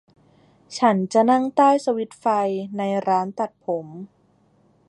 ฉันจะนั่งใต้สวิตช์ไฟในร้านตัดผม